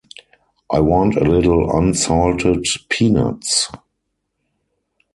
I want a little unsalted peanuts.